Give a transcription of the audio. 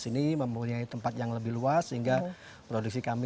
ini mobil yang tidak ada mesinnya kan